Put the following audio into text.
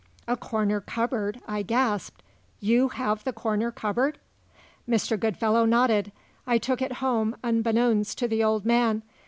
"A corner cupboard!" I gasped. "You have the corner cupboard?" Mr. Goodfellow nodded. "I took it home unbeknowns to the old man.